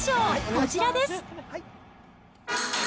こちらです。